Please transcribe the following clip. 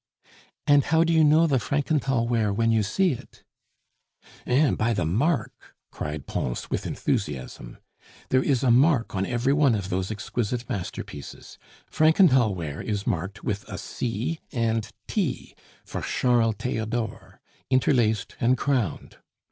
"And how do you know the Frankenthal ware when you see it?" "Eh! by the mark!" cried Pons with enthusiasm. "There is a mark on every one of those exquisite masterpieces. Frankenthal ware is marked with a C and T (for Charles Theodore) interlaced and crowned.